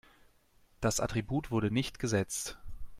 Das Attribut wurde nicht gesetzt.